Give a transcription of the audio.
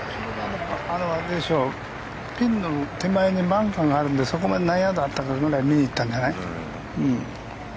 ちょうどピンの手前にバンカーがあるのでそこまで何ヤードあったか見に行ったんじゃない？